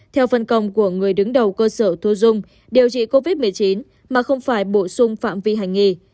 theo phân công của người đứng đầu cơ sở thu dung điều trị covid một mươi chín mà không phải bổ sung phạm vi hành nghề